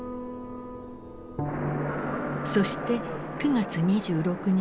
そして９月２６日。